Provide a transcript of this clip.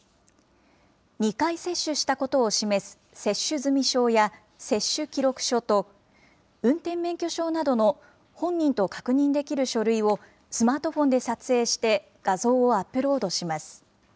２回接種したことを示す接種済証や、接種記録書と、運転免許証などの本人と確認できる書類をスマートフォンで撮影して画像をアップロードします。